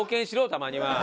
たまには。